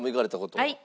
はい。